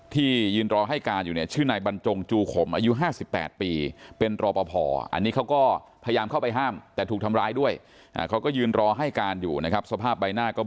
ที่ยืนรอให้การอยู่เนี่ยชื่อนายบรรจงจูผมอายุห้าสิบแปดปี